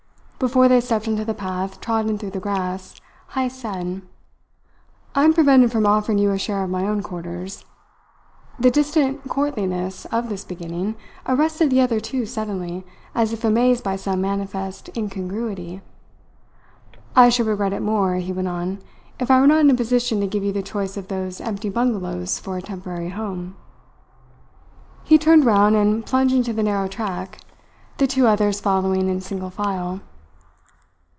Before they stepped on to the path trodden through the grass, Heyst said: "I am prevented from offering you a share of my own quarters." The distant courtliness of this beginning arrested the other two suddenly, as if amazed by some manifest incongruity. "I should regret it more," he went on, "if I were not in a position to give you the choice of those empty bungalows for a temporary home." He turned round and plunged into the narrow track, the two others following in single file.